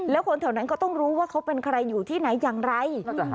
แล้วคนแถวนั้นก็ต้องรู้ว่าเขาเป็นใครอยู่ที่ไหนอย่างไร